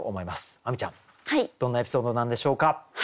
亜美ちゃんどんなエピソードなんでしょうか？